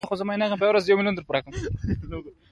پکورې له بوره نه دي